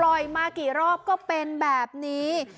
มากี่รอบก็เป็นแบบนี้